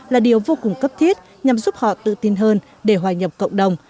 là điều vô cùng cấp thiết nhằm giúp họ tự tin hơn để hòa nhập cộng đồng